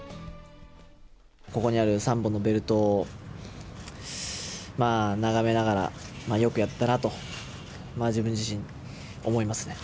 ここにある３本のベルトを、眺めながら、よくやったなと、自分自身、思いますね。